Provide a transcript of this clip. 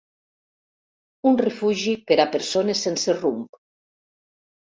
Un refugi per a persones sense rumb.